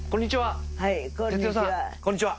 こんにちは。